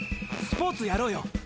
スポーツやろうよ。